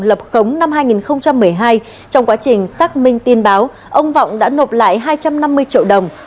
lập khống năm hai nghìn một mươi hai trong quá trình xác minh tin báo ông vọng đã nộp lại hai trăm năm mươi triệu đồng